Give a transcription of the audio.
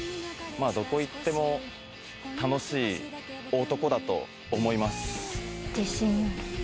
どこ行っても楽しい男だと思います。